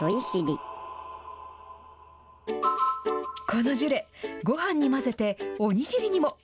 このジュレ、ごはんに混ぜて、おにぎりにも。